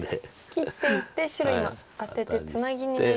切っていって白今アテてツナギになりました。